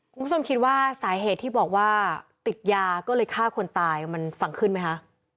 คุณผู้ชมคิดว่าสาเหตุที่บอกว่าติดยาก็เลยฆ่าคนตายมันฟังขึ้นไหมคะ